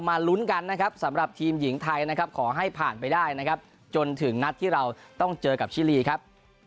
ลุ้นกันนะครับสำหรับทีมหญิงไทยนะครับขอให้ผ่านไปได้นะครับจนถึงนัดที่เราต้องเจอกับชิลีครับ